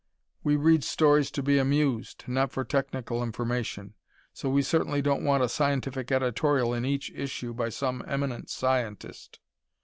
We read stories to be amused, not for technical information, so we certainly don't want "a scientific editorial in each issue by some 'eminent scientist.'"